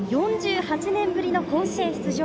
４８年ぶりの甲子園出場。